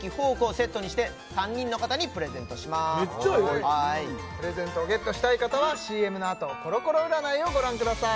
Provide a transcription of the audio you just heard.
メッチャええわプレゼントをゲットしたい方はＣＭのあとコロコロ占いをご覧ください